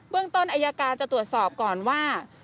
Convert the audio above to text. ต้นอายการจะตรวจสอบก่อนว่า